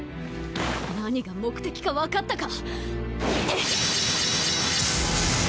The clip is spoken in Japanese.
何が目的か分かったか？